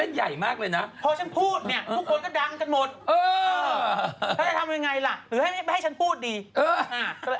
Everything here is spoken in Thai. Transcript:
เห็นไหมพอฉันพูดเนี่ยทุกคนก็ดังกันหมดถ้าจะทำยังไงล่ะหรือให้ฉันพูดดี